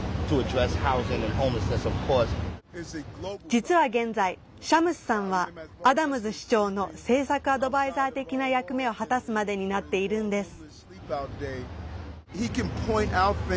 実は現在、シャムスさんはアダムズ市長の政策アドバイザー的な役目を果たすまでになっているんです。